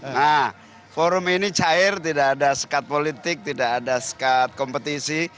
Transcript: nah forum ini cair tidak ada sekat politik tidak ada sekat kompetisi